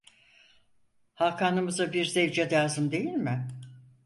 Hakanımıza bir zevce lazım değil mi?